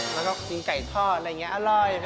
แล้วก็กินไก่ทอดอะไรอย่างนี้อร่อย